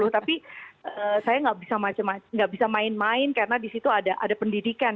tapi saya nggak bisa main main karena di situ ada pendidikan